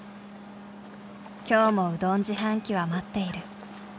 今日もうどん自販機は待っている。